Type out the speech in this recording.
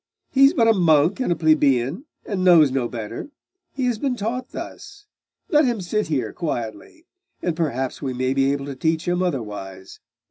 He is but a monk and a plebeian, and knows no better; he has been taught thus. Let him sit here quietly, and perhaps we may be able to teach him otherwise.